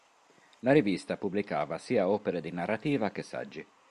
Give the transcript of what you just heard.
La rivista pubblicava sia opere di narrativa che saggi.